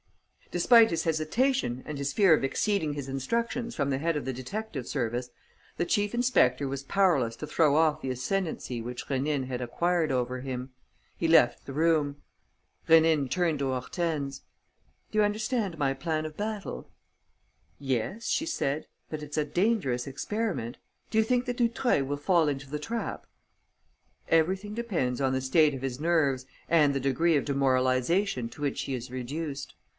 Despite his hesitation and his fear of exceeding his instructions from the head of the detective service, the chief inspector was powerless to throw off the ascendancy which Rénine had acquired over him. He left the room. Rénine turned to Hortense: "Do you understand my plan of battle?" "Yes," she said, "but it's a dangerous experiment. Do you think that Dutreuil will fall into the trap?" "Everything depends on the state of his nerves and the degree of demoralization to which he is reduced.